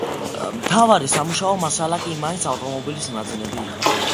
მთავარი სამუშაო მასალა კი მაინც ავტომობილის ნაწილები იყო.